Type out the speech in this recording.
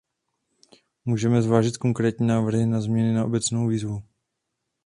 Můžeme zvážit konkrétní návrhy na změny, ne obecnou výzvu.